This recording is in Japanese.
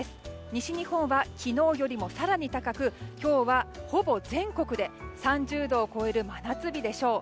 西日本は昨日より更に高く今日はほぼ全国で３０度を超える真夏日でしょう。